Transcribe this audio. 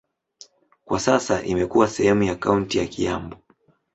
Kwa sasa imekuwa sehemu ya kaunti ya Kiambu.